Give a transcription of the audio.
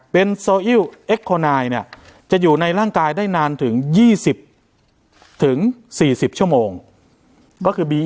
เป็นเนี้ยจะอยู่ในร่างกายได้นานถึงยี่สิบถึงสี่สิบชั่วโมงก็คือ